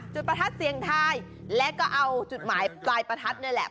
ประทัดเสียงทายแล้วก็เอาจุดหมายปลายประทัดนี่แหละ